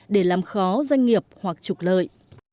để làm khó doanh nghiệp hoặc trục lợi